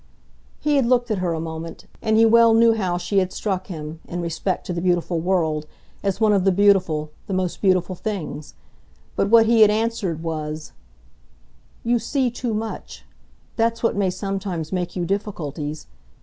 He had looked at her a moment and he well knew how she had struck him, in respect to the beautiful world, as one of the beautiful, the most beautiful things. But what he had answered was: "You see too much that's what may sometimes make you difficulties.